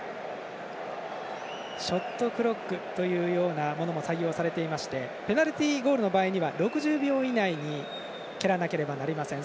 ショットクロックも採用されていましてペナルティゴールの場合には６０秒以内に蹴らなければなりません。